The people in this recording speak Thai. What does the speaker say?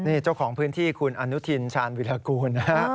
นี่เจ้าของพื้นที่คุณอนุทินชาญวิรากูลนะฮะ